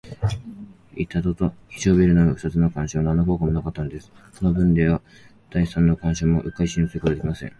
板戸と非常ベルの二つの関所は、なんの効果もなかったのです。このぶんでは、第三の関所もうっかり信用することはできません。